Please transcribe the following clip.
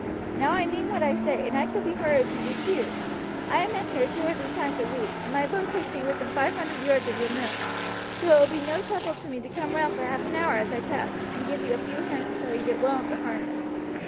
Now I mean what I say, and I shall be hurt if you refuse. I am in here two or three times a week, and my road takes me within five hundred yards of your mill, so it will be no trouble to me to come round for half an hour as I pass, and give you a few hints until you get well into harness.